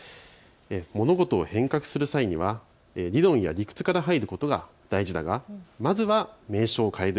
物事を変革する際には理論や理屈から入ることが大事だが、まずは名称を変える。